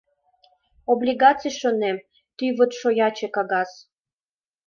Облигаций, шонем, тӱвыт шояче кагаз...